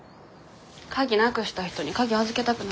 鍵なくした人に鍵預けたくないです。